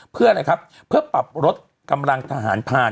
เพื่ออะไรครับเพื่อปรับลดกำลังทหารผ่าน